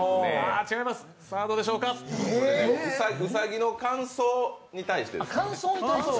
兎の感想に対してです。